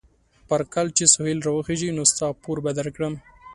پر کال چې سهيل را وخېژي؛ نو ستا پور به در کړم.